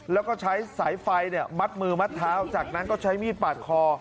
แล้วก็ใช้สายไฟมัดมือมัดเท้าจากนั้นก็ใช้มีดปาดคอ